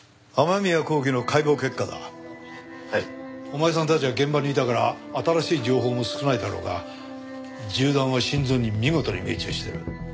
お前さんたちは現場にいたから新しい情報も少ないだろうが銃弾は心臓に見事に命中してる。